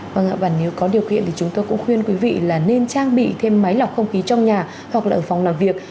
vâng ạ và nếu có điều kiện thì chúng tôi cũng khuyên quý vị là nên trang bị thêm máy lọc không khí trong nhà hoặc là ở phòng làm việc